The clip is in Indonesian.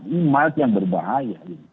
ini mild yang berbahaya